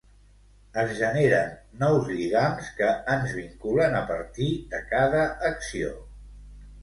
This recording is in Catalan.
Es generen nous lligams que ens vinculen a partir de cada acció.